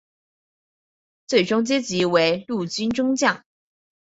最终阶级为陆军中将。